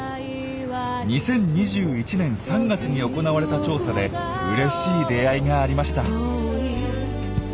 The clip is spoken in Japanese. ２０２１年３月に行われた調査でうれしい出会いがありました。